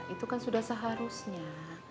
itu kan sudah seharusnya